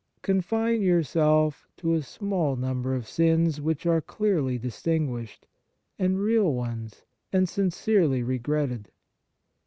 Confine yourself to a small num ber of sins which are clearly dis tinguished, and real ones, and sincerely regretted.